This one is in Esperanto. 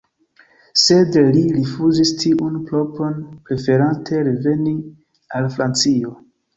Sed li rifuzis tiun proponon, preferante reveni al Francio.